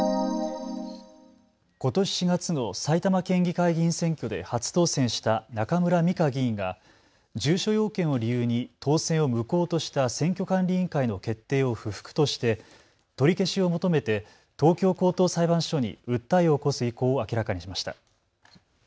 ことし４月の埼玉県議会議員選挙で初当選した中村美香議員が住所要件を理由に当選を無効とした選挙管理委員会の決定を不服として取り消しを求めて東京高等裁判所に訴えを起こす意向を明らかにしました。